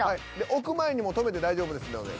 置く前に止めて大丈夫ですので。